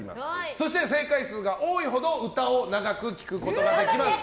そして正解数が多いほど歌を長く聴くことできます。